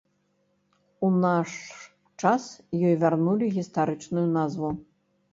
У наш час ёй вярнулі гістарычную назву.